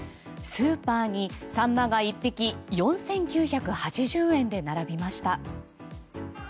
スーパーにサンマが１匹４９８０円で並びました。